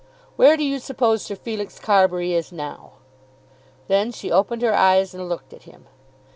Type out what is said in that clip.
"Where do you suppose Sir Felix Carbury is now?" Then she opened her eyes and looked at him.